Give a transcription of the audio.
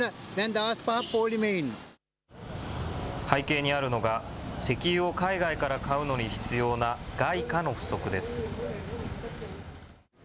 背景にあるのが石油を海外から買うのに必要な外貨の不足です。